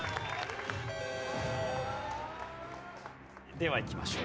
ではいきましょう。